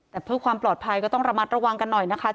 แต่เพื่อความปลอดภัยก็ต้องระมัดระวังกันหน่อยนะคะ